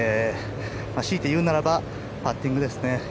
強いて言うならばパッティングですね。